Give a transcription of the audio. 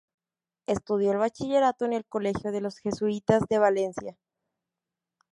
Estudió el bachillerato en el Colegio de los Jesuitas de Valencia.